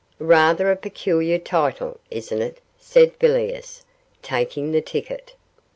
'Rather a peculiar title, isn't it?' said Villiers, taking the ticket.